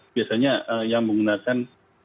biasanya yang menggunakan